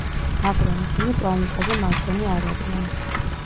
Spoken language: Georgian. მაგრამ ისინი პლანეტაზე მარტონი არ არიან.